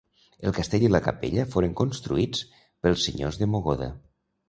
El castell i la capella foren construïts pels senyors de Mogoda.